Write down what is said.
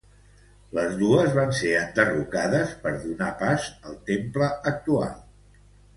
Les dos van ser enderrocades per donar pas al temple actual.